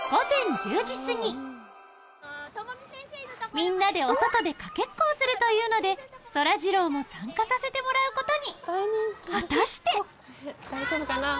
みんなでお外でかけっこをするというのでそらジローも参加させてもらうことに果たして？